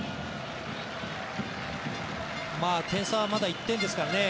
点差はまだ１点ですからね